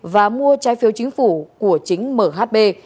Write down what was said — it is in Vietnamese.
và mua trái phiếu chính phủ của chính mhb